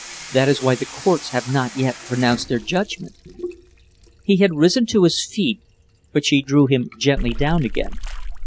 That is why the courts have not yet pronounced their judgment." He had risen to his feet, but she drew him gently down again.